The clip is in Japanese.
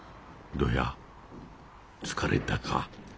どや疲れたか？